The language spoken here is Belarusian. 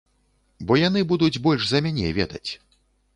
Бо яны будуць больш за мяне ведаць.